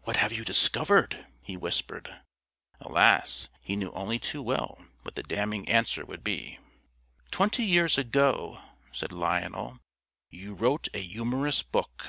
"What have you discovered?" he whispered. Alas! he knew only too well what the damning answer would be. "Twenty years ago," said Lionel, "_you wrote a humorous book.